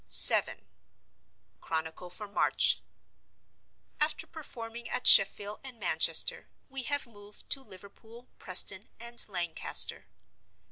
VII. Chronicle for March. After performing at Sheffield and Manchester, we have moved to Liverpool, Preston, and Lancaster.